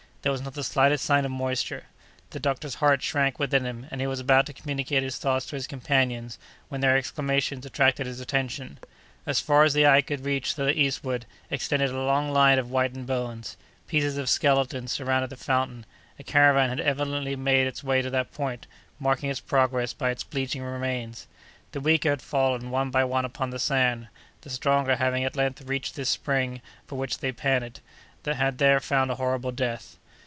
There was not the slightest sign of moisture. The doctor's heart shrank within him, and he was about to communicate his thoughts to his companions, when their exclamations attracted his attention. As far as the eye could reach to the eastward, extended a long line of whitened bones; pieces of skeletons surrounded the fountain; a caravan had evidently made its way to that point, marking its progress by its bleaching remains; the weaker had fallen one by one upon the sand; the stronger, having at length reached this spring for which they panted, had there found a horrible death.